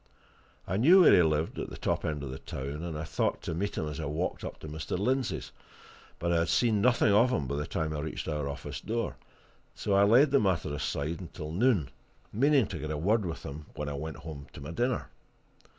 I knew where he lived, at the top end of the town, and I thought to meet him as I walked up to Mr. Lindsey's; but I had seen nothing of him by the time I reached our office door, so I laid the matter aside until noon, meaning to get a word with him when I went home to my dinner.